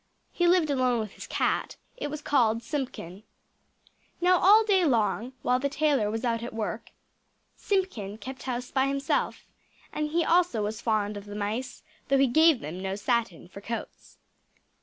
He lived alone with his cat; it was called Simpkin. Now all day long while the tailor was out at work, Simpkin kept house by himself; and he also was fond of the mice, though he gave them no satin for coats!